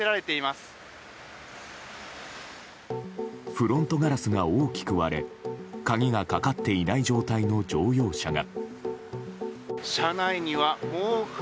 フロントガラスが大きく割れ鍵がかかっていない状態の乗用車が。